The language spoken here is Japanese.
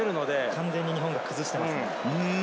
完全に日本が崩していました。